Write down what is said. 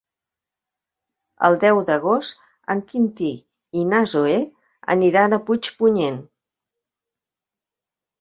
El deu d'agost en Quintí i na Zoè aniran a Puigpunyent.